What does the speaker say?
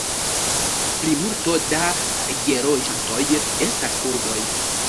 Plimulto da geloĝantoj estas kurdoj.